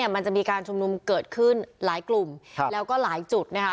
มันจะมีการชุมนุมเกิดขึ้นหลายกลุ่มแล้วก็หลายจุดนะคะ